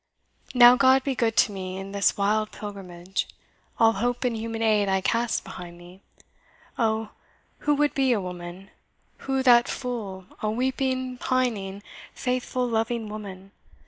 Now God be good to me in this wild pilgrimage! All hope in human aid I cast behind me. Oh, who would be a woman? who that fool, A weeping, pining, faithful, loving woman?